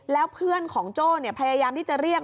แล้วเพื่อนของโจ้พยายามที่จะเรียก